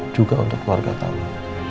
juga untuk keluarga kamu